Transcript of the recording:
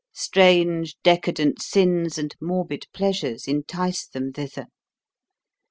Strange decadent sins and morbid pleasures entice them thither.